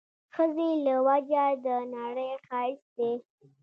ښځې له وجه د نړۍ ښايست دی